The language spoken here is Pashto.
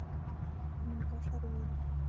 کډوال زیانمن قشر وي.